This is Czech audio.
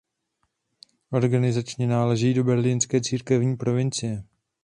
Organizačně náleží do berlínské církevní provincie.